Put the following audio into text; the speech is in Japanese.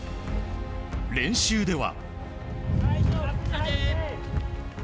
練習では。